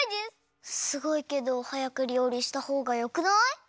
すごいけどはやくりょうりしたほうがよくない？